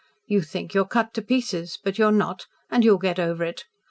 You think you are cut to pieces, but you are not, and you'll get over it.